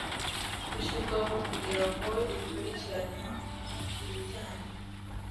gushyirwaho kugira ngo ikurikirane ibijyanye